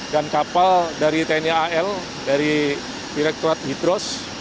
dan kapal dari tni al dari direkturat hidros